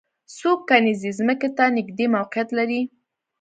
څوک کرنیزې ځمکې ته نږدې موقعیت لري